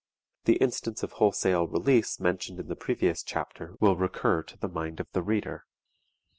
The instance of wholesale release mentioned in the previous chapter will recur to the mind of the reader.